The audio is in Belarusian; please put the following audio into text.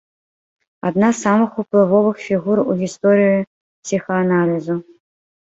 Адна з самых уплывовых фігур у гісторыі псіхааналізу.